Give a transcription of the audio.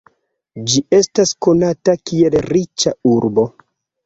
Ĝi estas konata kiel riĉa urbo.